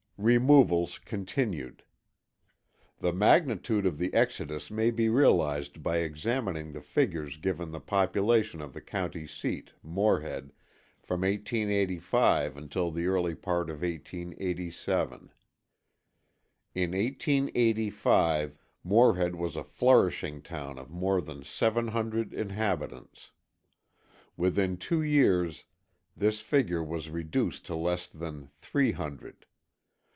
Removals continued. The magnitude of the exodus may be realized by examining the figures giving the population of the county seat, Morehead, from 1885 until the early part of 1887. In 1885 Morehead was a flourishing town of more than seven hundred inhabitants. Within two years this figure was reduced to less than three hundred.